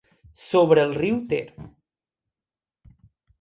Sobre el riu Ter.